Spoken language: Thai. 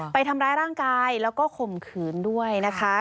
ไปทำร้ายร่างกายแล้วก็ข่มขืนด้วยนะคะ